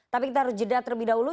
tapi kita harus jeda terlebih dahulu